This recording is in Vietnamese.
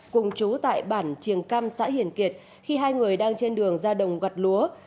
cùng chú tại bản triềng cam xã hiền kiệt khi hai người đang trên đường ra đồng gặt lúa